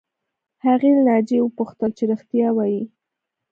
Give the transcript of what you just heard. هغې له ناجیې وپوښتل چې رښتیا وایې